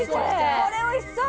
これおいしそう！